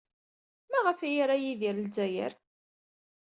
Maɣef ay ira Yidir Lezzayer?